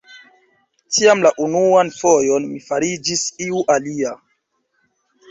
Tiam la unuan fojon mi fariĝis iu alia.